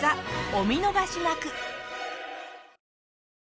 お見逃しなく。